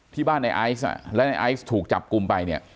ที่บ้านในไอซ์และในไอซ์ถูกจับกลุ่มไปเนี่ย